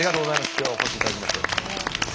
今日はお越しいただきまして。